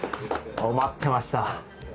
待ってました。